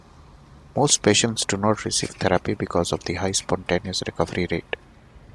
Most patients do not receive therapy because of the high spontaneous recovery rate.